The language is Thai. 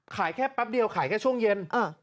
แค่แป๊บเดียวขายแค่ช่วงเย็น